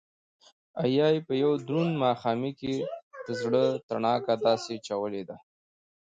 او يا يې په يو دروند ماښامي کښې دزړه تڼاکه داسې چولې ده